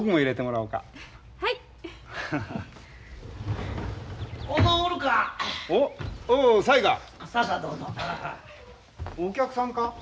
お客さんか？